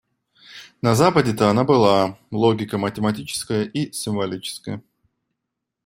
На Западе-то она была: логика математическая и символическая.